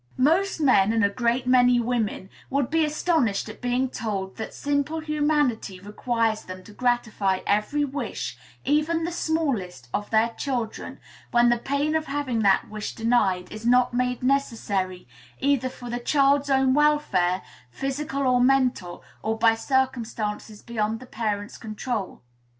Most men and a great many women would be astonished at being told that simple humanity requires them to gratify every wish, even the smallest, of their children, when the pain of having that wish denied is not made necessary, either for the child's own welfare, physical or mental, or by circumstances beyond the parent's control.